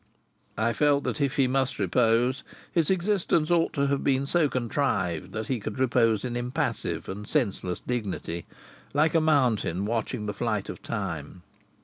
I felt that if he must repose his existence ought to have been so contrived that he could repose in impassive and senseless dignity, like a mountain watching the flight of time.